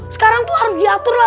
sekarang tuh harus diatur lah